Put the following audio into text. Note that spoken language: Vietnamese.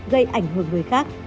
gây ảnh hưởng người khác